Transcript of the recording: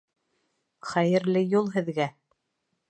Хәйерле юл һеҙгә!..